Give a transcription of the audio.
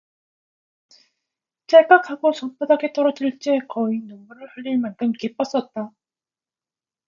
찰깍 하고 손바닥에 떨어질 제 거의 눈물을 흘릴 만큼 기뻤었다.